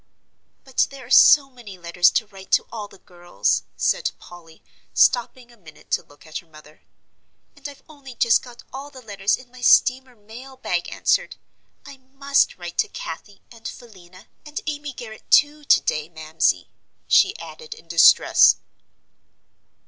"But there are so many letters to write to all the girls," said Polly, stopping a minute to look at her mother, "and I've only just got all the letters in my steamer mail bag answered. I must write to Cathie and Philena, and Amy Garrett too, to day, Mamsie," she added, in distress.